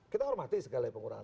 kita hormati sekali lagi pengurangan